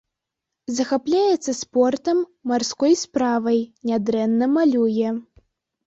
Захапляецца спортам, марской справай, нядрэнна малюе.